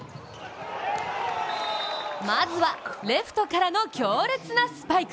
まずはレフトからの強烈なスパイク。